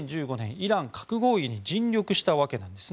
イラン核合意に尽力したわけです。